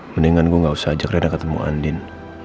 mendingan gue gak usah ajak reda ketemu andin